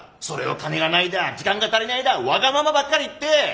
それを金がないだ時間が足りないだわがままばっかり言って。